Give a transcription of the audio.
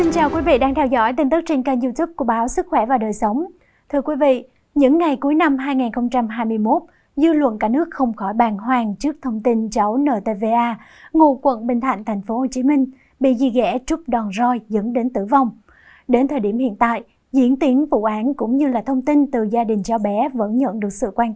chào mừng quý vị đến với bộ phim hãy nhớ like share và đăng ký kênh của chúng mình nhé